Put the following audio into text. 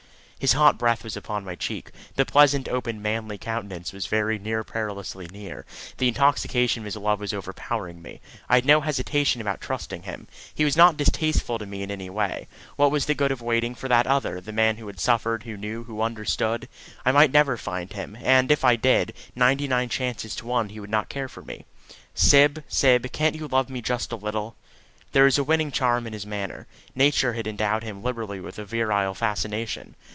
His hot breath was upon my cheek. The pleasant, open, manly countenance was very near perilously near. The intoxication of his love was overpowering me. I had no hesitation about trusting him. He was not distasteful to me in any way. What was the good of waiting for that other the man who had suffered, who knew, who understood? I might never find him; and, if I did, ninety nine chances to one he would not care for me. "Syb, Syb, can't you love me just a little?" There was a winning charm in his manner. Nature had endowed him liberally with virile fascination.